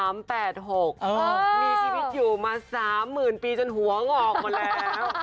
มีชีวิตอยู่มา๓๐๐๐ปีจนหัวงอกหมดแล้ว